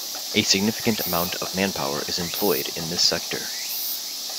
A significant amount of manpower is employed in this sector.